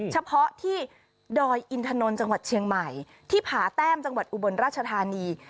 เฉพาะที่ดอยอินทนนท์จังหวัดเชียงใหม่ที่ผาแต้มจังหวัดอุบลราชธานี